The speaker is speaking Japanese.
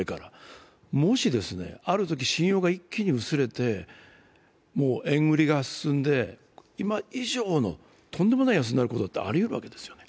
もしあるとき信用が一気に薄れて円売りが進んで今以上のとんでもない安値になることだってありうるわけです。